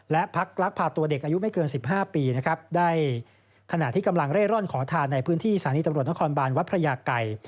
และพักลักพาตัวเด็กอายุไม่เกิน๑๕ปีนะครับได้ขณะที่กำลังเร่ร่อนขอทานในพื้นที่สถานีตำรวจนครบานวัดพระยาไก่